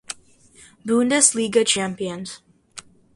Bundesliga champions.